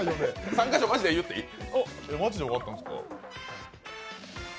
３か所マジで言っていい？